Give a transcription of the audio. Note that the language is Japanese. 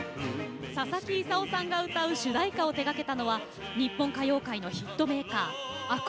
ささきいさおさんが歌う主題歌を手がけたのは日本歌謡界のヒットメーカー阿久